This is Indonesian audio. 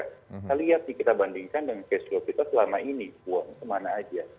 kita lihat nih kita bandingkan dengan cash flow kita selama ini uang kemana aja